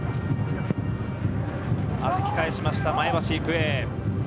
はじき返しました、前橋育英。